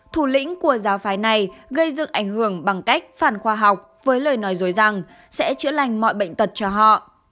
thủ lĩnh của giáo phái này gây dựng ảnh hưởng bằng cách phản khoa học với lời nói dối rằng sẽ chữa lành mọi bệnh tật cho họ